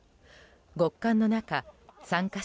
極寒の中参加者